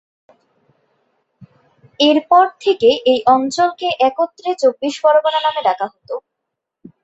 এরপর থেকে এই অঞ্চলকে একত্রে চব্বিশ পরগনা নামে ডাকা হতো।